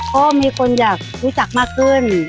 ก็มีคนอยากรู้จักมากขึ้น